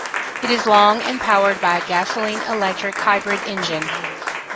It is long and powered by a gasoline-electric hybrid engine.